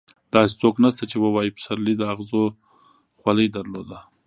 داسې څوک نشته چې ووايي پسرلي د اغزو ځولۍ درلوده.